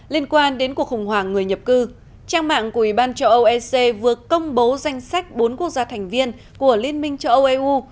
liên quan đến cuộc khủng hoảng người nhập cư trang mạng của ủy ban châu âu ec vừa công bố danh sách bốn quốc gia thành viên của liên minh châu âu eu